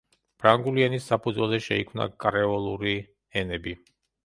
ფრანგული ენის საფუძველზე შეიქმნა კრეოლური ენები.